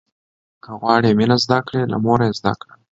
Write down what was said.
که غواړې مينه زده کړې، له موره يې زده کړه.